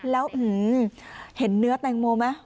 แล้วเห็นเนื้อแตงโมไหม